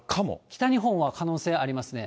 北日本は可能性ありますね。